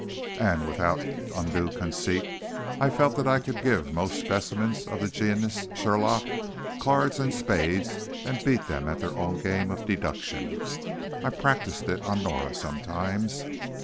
And, without undue conceit, I felt that I could give most specimens of the genus Sherlock cards and spades and beat them at their own game of deduction. I practiced it on Norah sometimes.